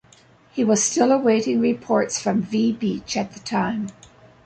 He was still awaiting reports from V Beach at the time.